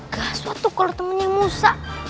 gak sesuatu kalau temannya musa